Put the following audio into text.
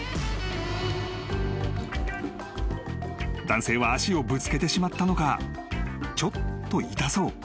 ［男性は足をぶつけてしまったのかちょっと痛そう］